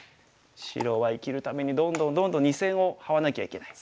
白は生きるためにどんどんどんどん２線をハワなきゃいけない。